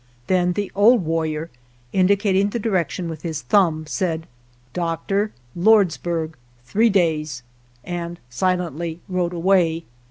Then the old warrior, indicating the direction with his thumb, said " Doctor — Lordsburg — three days," and silently rode away.